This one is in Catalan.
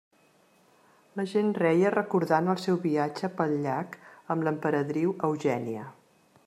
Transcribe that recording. La gent reia recordant el seu viatge pel llac amb l'emperadriu Eugènia.